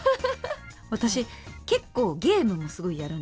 私結構ゲームもすごいやるんですよ。